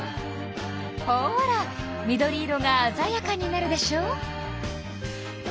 ほら緑色があざやかになるでしょう？